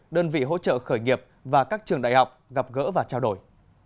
đơn vị hỗ trợ khởi nghiệp và các trường đại học gặp gỡ và trao đổi